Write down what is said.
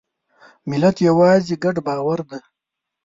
ملت یوازې یو ګډ باور دی.